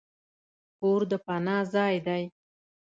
کور د پناه ځای دی.